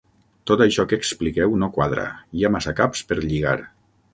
Tot això que expliqueu no quadra: hi ha massa caps per lligar.